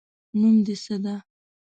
نوم د څه ده